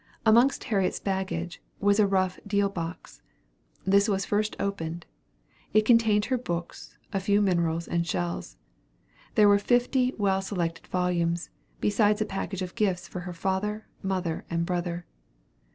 Amongst Harriet's baggage was a rough deal box. This was first opened. It contained her books, a few minerals and shells. There were fifty well selected volumes, besides a package of gifts for her father, mother, and brother.